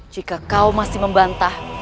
jika kau masih membantah